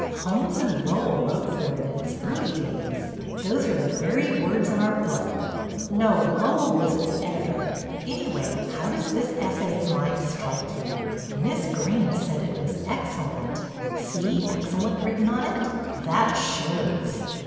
Holmes and Lowell wrote for it in its early days. Those are the very words in our book — no, Lowell was its editor. Anyway, how does this essay of mine strike you? Miss Greene said it was excellent. See 'excellent' written on it? That shows